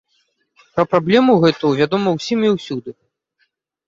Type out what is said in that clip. Пра праблему гэту вядома ўсім і ўсюды.